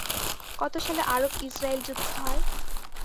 কত সালে আরব-ইসরায়েল যুদ্ধ হয়?